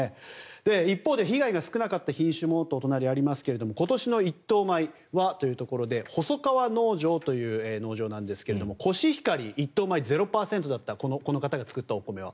一方で被害が少なかった品種もとお隣ありますが今年の一等米はということでほそかわ農場という農場なんですがコシヒカリ一等米０％だったこの方が作ったお米は。